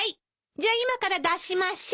じゃあ今から出しましょう。